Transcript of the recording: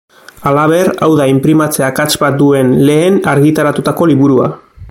Halaber, hau da inprimatze akats bat duen lehen argitaratutako liburua.